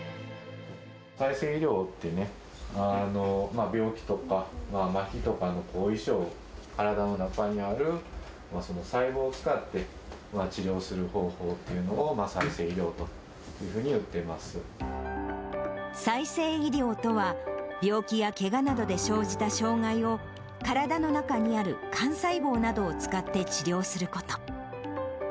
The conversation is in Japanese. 再生医療ってね、病気とか、まひとかの後遺症、体の中にある細胞を使って、治療する方法っていうのを、再生医療というふうに呼んでいま再生医療とは、病気やけがなどで生じた障がいを、体の中にある幹細胞などを使って治療すること。